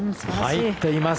入っています。